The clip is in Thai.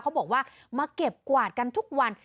เขาบอกว่ามาเก็บกวาดกันทุกวัน